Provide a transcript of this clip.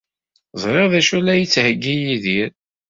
Ẓriɣ d acu ay la d-yettheyyi Yidir.